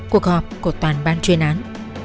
cuộc họp của toàn ban truyền án